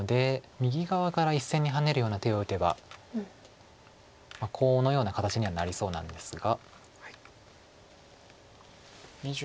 右側から１線にハネるような手を打てばコウのような形にはなりそうなんですが。